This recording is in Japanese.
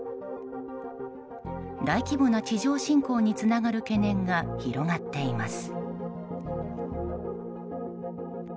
大規模な地上侵攻につながる懸念が広がっています。